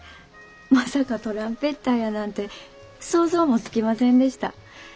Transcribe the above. まさかトランペッターやなんて想像もつきませんでした。